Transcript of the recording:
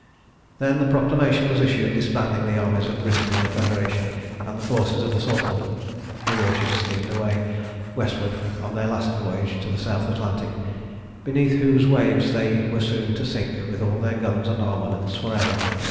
Then the proclamation was issued disbanding the armies of Britain and the Federation and the forces of the Sultan. The warships steamed away westward on their last voyage to the South Atlantic, beneath whose waves they were soon to sink with all their guns and armaments for ever.